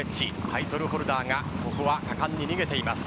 タイトルホルダーがここは果敢に逃げています。